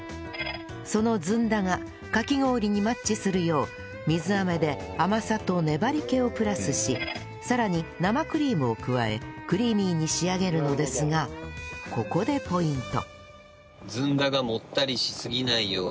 そのずんだがかき氷にマッチするよう水あめで甘さと粘り気をプラスしさらに生クリームを加えクリーミーに仕上げるのですがここでポイント